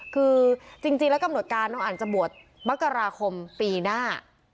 คือจริงแล้วกำหนดการน้องอันจะบวชมกราคมปีหน้า